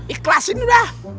ikhlas ini dah